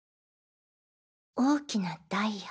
大きなダイヤ。